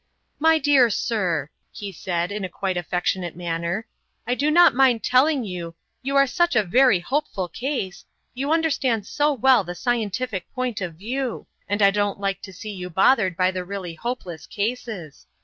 "My dear sir," he said, in a quite affectionate manner, "I do not mind telling you you are such a very hopeful case you understand so well the scientific point of view; and I don't like to see you bothered by the really hopeless cases.